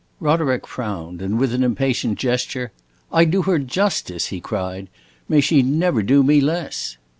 Roderick frowned, and with an impatient gesture, "I do her justice," he cried. "May she never do me less!"